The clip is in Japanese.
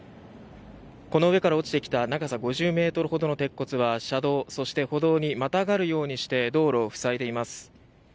この上から落ちてきた長さ５０ｍほどの鉄骨は車道そして歩道にまたがるようにして道路を塞いでいます。